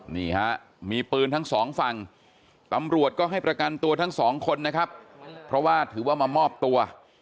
นี่ฮะมีปืนทั้งสองฝั่งตำรวจก็ให้ประกันตัวทั้งสองคนนะครับเพราะว่าถือว่ามามอบตัว